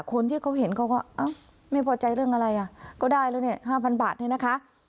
คนที่เขาเห็นก็ว่าไม่พอใจเรื่องอะไรก็ได้แล้ว๕๐๐๐บาทนี่นะคะ